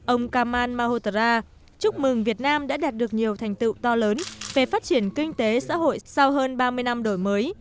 ông kamal mahotara chúc mừng việt nam đã đạt được nhiều thành tựu to lớn về phát triển kinh tế xã hội sau hơn ba mươi năm đổi mới